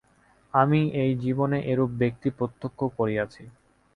আমি এই জীবনে এরূপ ব্যক্তি প্রত্যক্ষ করিয়াছি।